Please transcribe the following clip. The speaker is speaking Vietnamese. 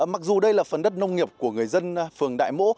mặc dù đây là phần đất nông nghiệp của người dân phường đại mỗ